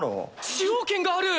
使用権がある！